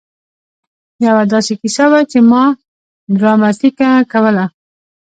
يوه داسې کيسه وه چې ما ډراماتيکه کوله.